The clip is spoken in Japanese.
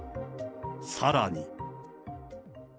さらに。